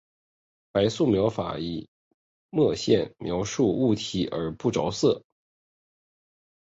白描画法以墨线描绘物体而不着颜色。